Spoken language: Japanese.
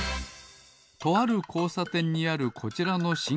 とあるこうさてんにあるこちらのしんごうき。